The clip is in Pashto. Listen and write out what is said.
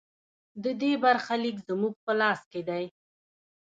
د دې برخلیک زموږ په لاس کې دی؟